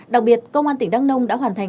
đặc biệt công an tỉnh đắk nông đã hoàn thành